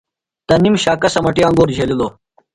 تنِم شاکہ سمٹیۡ انگور جھیلِلوۡ۔